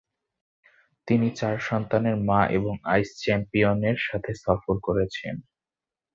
তিনি চার সন্তানের মা এবং আইস চ্যাম্পিয়নের সাথে সফর করেছেন।